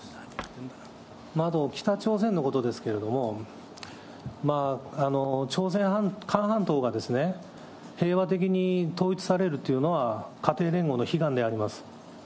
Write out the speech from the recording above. まず北朝鮮のことですけれども、朝鮮半島がですね、平和的に統一されるというのは、家庭連合の悲願であります。